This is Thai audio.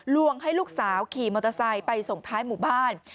ลวงให้ลูกสาวขี่มอเตอร์ไซค์ไปส่งท้ายหมู่บ้าน